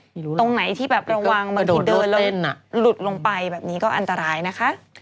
ตรงไหนที่แบบระวังบางทีเดินแล้วหลุดลงไปแบบนี้ก็อันตรายนะคะ